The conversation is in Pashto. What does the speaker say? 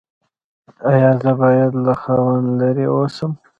ایا زه باید له خاوند لرې اوسم؟